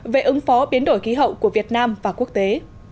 về ứng phó biến đổi khí hậu của việt nam và quốc tế